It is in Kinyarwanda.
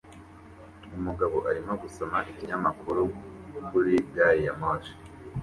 Umugabo arimo gusoma ikinyamakuru kuri gari ya moshi